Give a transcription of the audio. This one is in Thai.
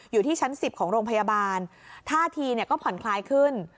อยู่ที่ชั้น๑๐ของโรงพยาบาลท่าทีก็ผ่อนคลายขึ้น